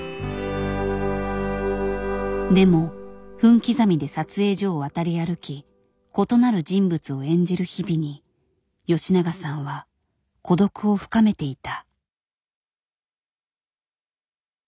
でも分刻みで撮影所を渡り歩き異なる人物を演じる日々に吉永さんは孤独を深めていた。